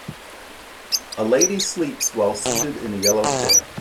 A lady sleeps while seated in a yellow chair.